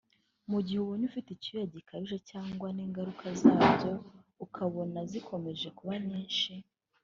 Mu gihe ubonye ufite icyuya gikabije cyangwa n’ingaruka zabyo ukabona zikomeje kuba nyinshi